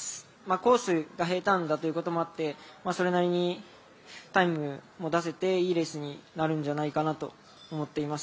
コースが平たんだということもあってそれなりにタイムも出せて、いいレースになるんじゃないかなと思っています。